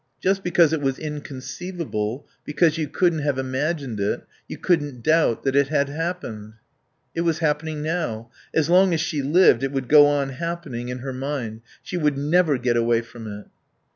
Just because it was inconceivable, because you couldn't have imagined it, you couldn't doubt that it had happened. It was happening now. As long as she lived it would go on happening in her mind. She would never get away from it.